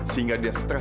sehingga dia stres